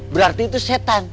berarti itu setan